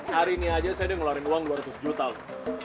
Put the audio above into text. hari ini aja saya ngeluarin uang dua ratus juta loh